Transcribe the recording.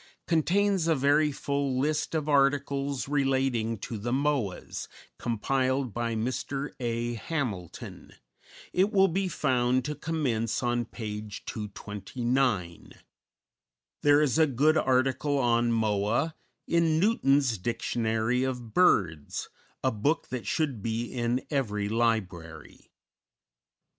contains a very full list of articles relating to the Moas, compiled by Mr. A. Hamilton; it will be found to commence on page 229. There is a good article on Moa in Newton's "Dictionary of Birds," a book that should be in every library.